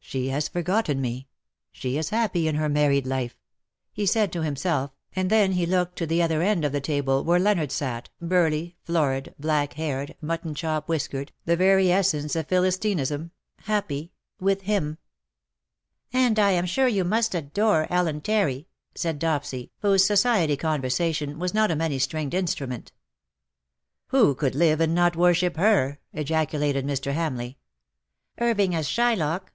" She has forgotten me. She is happy in her married life," he said to himself, and then he looked 216 " BUT IT SUFFICETH, to the other end of the table where Leonard sat, burly, florid, black haired, mutton chop whiskered, the very essence of Philistinism —'' happy — with him/^ " And I am sure you must adore Ellen Terry," said Dopsy, whose society conversation was not a many stringed instrument. ^'' Who could live and not worship her?" ejaculated Mr. Hamleigh. '' Irving as Shylock